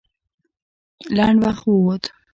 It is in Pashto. لنډ وخت ووت.